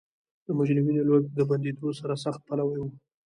د مجرمینو لېږد د بندېدو سرسخت پلوی و.